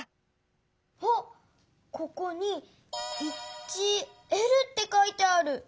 あっここに「１Ｌ」ってかいてある。